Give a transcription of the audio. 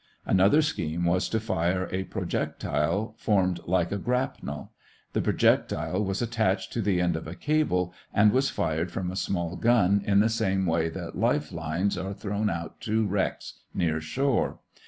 Another scheme was to fire a projectile formed like a grapnel. The projectile was attached to the end of a cable and was fired from a small gun in the same way that life lines are thrown out to wrecks near shore.